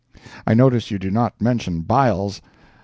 I notice you do not mention Biles.